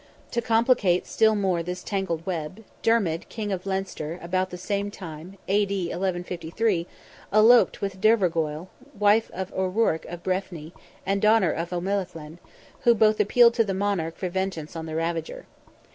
To complicate still more this tangled web, Dermid, King of Leinster, about the same time (A.D. 1153), eloped with Dervorgoil, wife of O'Ruarc of Breffni, and daughter of O'Melaghlin, who both appealed to the monarch for vengeance on the ravager.